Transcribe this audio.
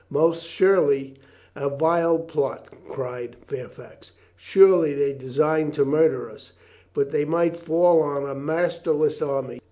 "Most surely a vile plot," cried Fairfax. "Surely they designed to murder us, that they might fall on a masterless army."